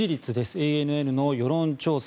ＡＮＮの世論調査